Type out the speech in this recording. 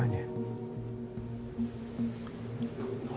hidup ya cross